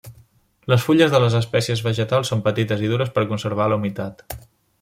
Les fulles de les espècies vegetals són petites i dures per conservar la humitat.